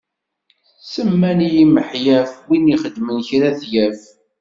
Semman-iyi Miḥyaf win ixedmen kra ad t-yaf.